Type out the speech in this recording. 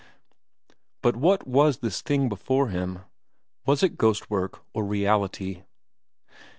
But what was this thing before him? Was it ghost work or reality?